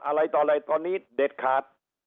อะไรต่ออะไรตอนนี้เด็ดขาด